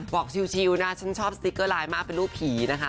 ชิวนะฉันชอบสติ๊กเกอร์ไลน์มากเป็นรูปผีนะคะ